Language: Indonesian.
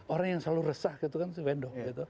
orang yang selalu resah gitu kan si wendo